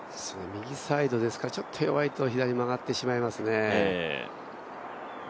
右サイドですからちょっと弱いと左に曲がってしまいますね。